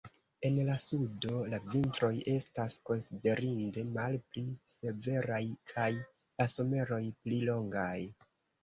En la sudo la vintroj estas konsiderinde malpli severaj kaj la someroj pli longaj.